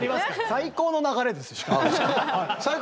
最高の流れですか？